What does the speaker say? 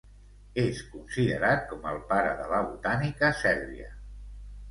És considerat com "el pare de la botànica Sèrbia".